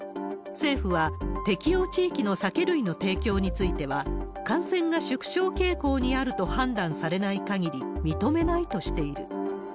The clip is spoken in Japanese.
政府は、適用地域の酒類の提供については、感染が縮小傾向にあると判断されないかぎり、認めないとしている。